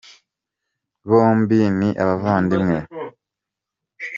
bombi ni abavandimwe.